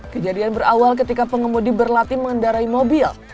kejadian berawal ketika pengemudi berlatih mengendarai mobil